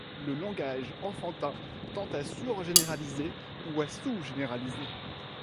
Le langage enfantin tend à surgénéraliser ou à sous-généraliser.